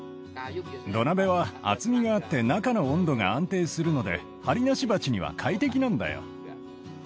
土鍋は厚みがあって中の温度が安定するのでハリナシバチには快適なんだよ。